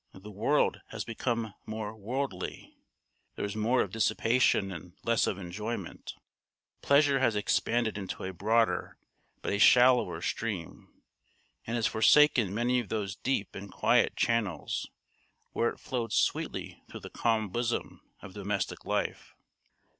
The world has become more worldly. There is more of dissipation, and less of enjoyment. Pleasure has expanded into a broader, but a shallower stream, and has forsaken many of those deep and quiet channels where it flowed sweetly through the calm bosom of domestic life.